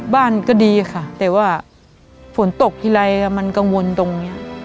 บ้านก็ดีค่ะแต่ว่าฝนตกทีไรมันกังวลตรงนี้